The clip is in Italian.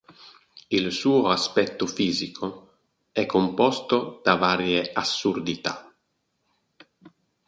Il suo aspetto fisico è composto da varie assurdità.